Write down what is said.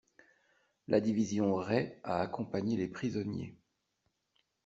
La division Rey a accompagné les prisonniers.